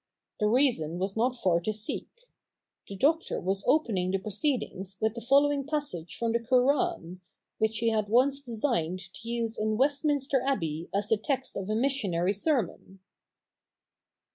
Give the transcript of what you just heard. The reason was not far to seek. The Doctor was opening the proceedings with the following passage from the Koran, which he had once designed to use in Westminster Abbey as the text of a missionary sermon.